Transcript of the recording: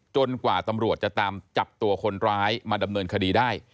กว่าตำรวจจะตามจับตัวคนร้ายมาดำเนินคดีได้